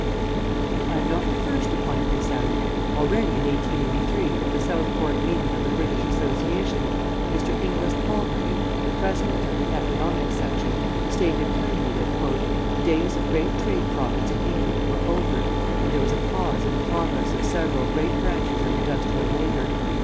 "I am not the first to point this out. Already, in 1883, at the Southport meeting of the British Association, Mr. Inglis Palgrave, the President of the Economic section, stated plainly that 'the days of great trade profits in England were over, and there was a pause in the progress of several great branches of industrial labour.